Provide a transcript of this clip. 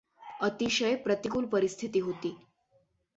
अतिशय प्रतिकूल परिस्थिती होती.